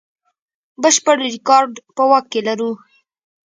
بشپړ ریکارډ په واک کې لرو.